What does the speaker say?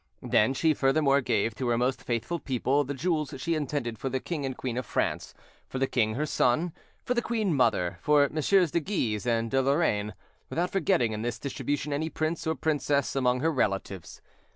Then she furthermore gave, to her most faithful people, the jewels she intended for the king and queen of France, for the king her son, for the queen mother, for Messieurs de Guise and de Lorraine, without forgetting in this distribution any prince or princess among her relatives.